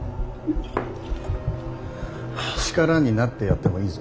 力になってやってもいいぞ。